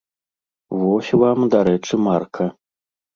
Вось вам, дарэчы, марка.